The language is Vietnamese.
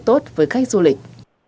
tốt với khách du lịch